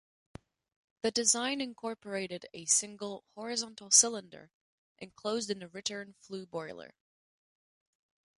The design incorporated a single horizontal cylinder enclosed in a return-flue boiler.